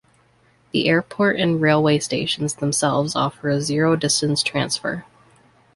The airport and railway stations themselves offer a zero-distance transfer.